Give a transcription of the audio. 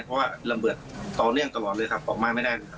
เพราะว่าระเบิดต่อเนื่องตลอดเลยครับออกมาไม่ได้